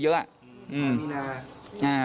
ประมาณมีนา